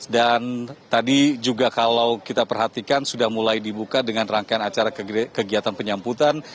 dan tadi juga kalau kita perhatikan sudah mulai dibuka dengan rangkaian acara kegiatan penyamputan